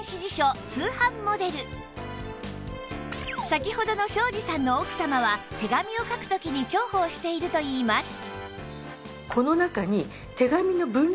先ほどの庄子さんの奥様は手紙を書く時に重宝しているといいます